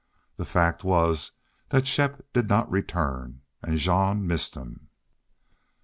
The fact was that Shepp did not return, and Jean missed him.